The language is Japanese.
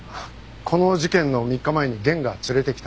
この事件の３日前に源が連れてきたんです。